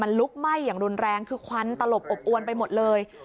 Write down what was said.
มันลุกไหม้อย่างรุนแรงคือควันตลบอบอวนไปหมดเลย